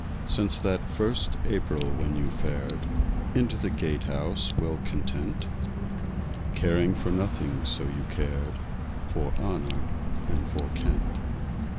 Since that first April when you fared Into the Gatehouse, well content, Caring for nothing so you cared For honor and for Kent.